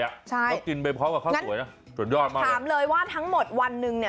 เขากินไปพร้อมกับข้าวสวยนะสุดยอดมากถามเลยว่าทั้งหมดวันหนึ่งเนี่ย